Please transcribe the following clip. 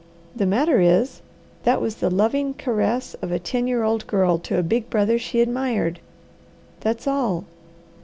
The matter is, that was the loving caress of a ten year old girl to a big brother she admired. That's all!